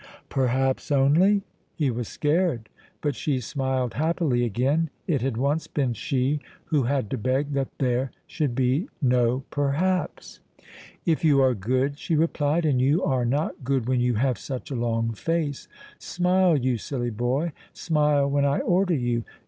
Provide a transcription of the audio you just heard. "Perhaps only?" He was scared; but she smiled happily again: it had once been she who had to beg that there should be no perhaps. "If you are good," she replied, "and you are not good when you have such a long face. Smile, you silly boy; smile when I order you.